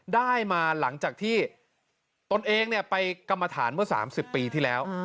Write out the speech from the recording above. ได้มาหลังจากที่ตนเองไปกรรมฐานเมื่อ๓๐ปีที่แล้ว